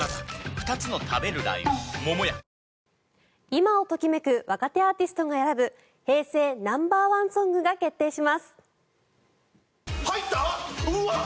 今を時めく若手アーティストが選ぶ平成ナンバーワンソングが決定します。